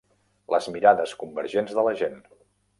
Les mirades convergents de la gent.